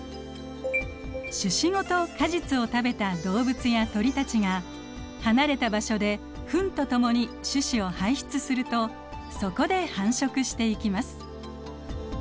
種子ごと果実を食べた動物や鳥たちが離れた場所でフンと共に種子を排出するとそこで繁殖していきます。